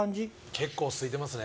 結構空いてますね